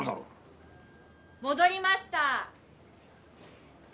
・戻りました。